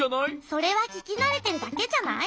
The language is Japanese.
それはききなれてるだけじゃない？